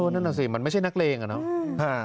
นั่นแหละสิมันไม่ใช่นักเรียนอะเนาะ